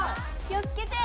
気をつけて！